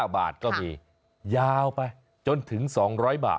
๙บาทก็มียาวไปจนถึง๒๐๐บาท